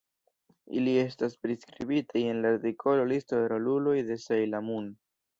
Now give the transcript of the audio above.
Ili estas priskribitaj en la artikolo Listo de roluloj de "Sejla Mun".